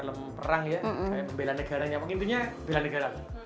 kayak pembela negara gitu intinya belanegara